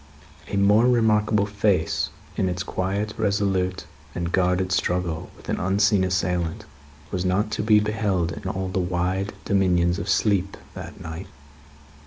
A more remarkable face in its quiet, resolute, and guarded struggle with an unseen assailant, was not to be beheld in all the wide dominions of sleep, that night.